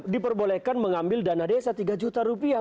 diperbolehkan mengambil dana desa tiga juta rupiah